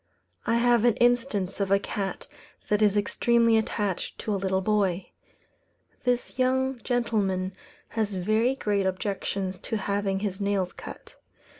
I have an instance of a cat that is extremely attached to a little boy. This young gentleman has very great objections to having his nails cut.